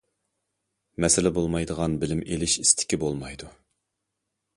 مەسىلە بولمايدىغان بىلىم ئېلىش ئىستىكى بولمايدۇ.